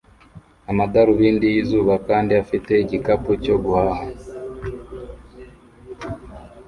amadarubindi yizuba kandi afite igikapu cyo guhaha